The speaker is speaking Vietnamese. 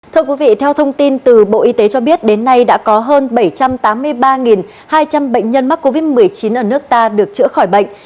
thưa quý vị theo thông tin từ bộ y tế cho biết đến nay đã có hơn bảy trăm tám mươi ba hai trăm linh bệnh nhân mắc covid một mươi chín ở nước ta được chữa khỏi bệnh